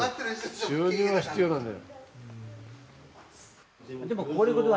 収入が必要なのよ。